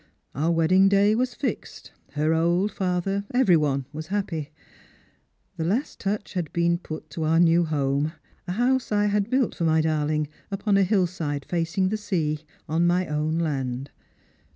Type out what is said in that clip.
Our wedding day was fixed; her old father, every one was happy. The last touch had been 43ut to our new home ; a house I had built for my darling upon a hill side facing the sea, on my own land.